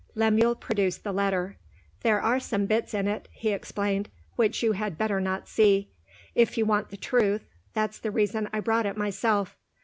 Lemuel produced the letter. "There are some bits in it," he explained, "which you had better not see. If you want the truth that's the reason I brought it myself.